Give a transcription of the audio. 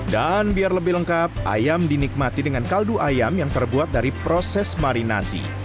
dan biar lebih lengkap ayam dinikmati dengan kaldu ayam yang terbuat dari proses marinasi